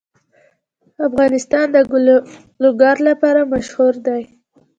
افغانستان د لوگر لپاره مشهور دی.